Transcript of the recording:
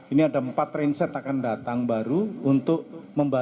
ini ada empat transit akan datang baru untuk membagi